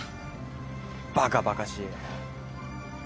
バカバカしい。